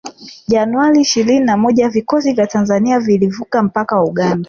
Januari ishirini na moja vikosi vya Tanzania vilivuka mpaka wa Uganda